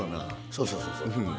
そうそうそうそう。